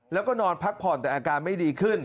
แล้วก็นอนพักผ่อนแต่อาการไม่ดีขึ้น